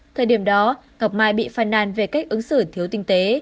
thời điểm đó ngọc mai bị phàn nàn về cách ứng xử thiếu tinh tế